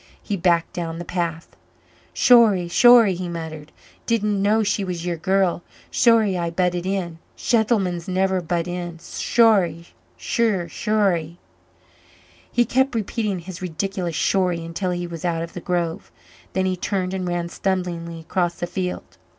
He backed down the path. "Shorry shorry," he muttered. "Didn't know she was your girl shorry I butted in. Shentlemans never butt in shorry shir shorry." He kept repeating his ridiculous "shorry" until he was out of the grove. Then he turned and ran stumblingly across the field.